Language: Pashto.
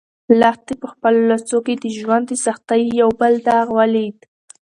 لښتې په خپلو لاسو کې د ژوند د سختیو یو بل داغ ولید.